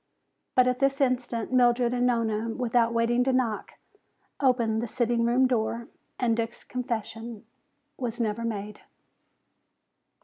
But at this instant Mildred and Nona, without waiting to knock, opened the sitting room door and Dick's confession was never made.